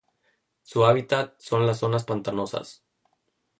Su hábitat son las zonas pantanosas.